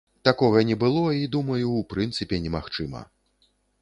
Такога не было, і думаю, у прынцыпе немагчыма.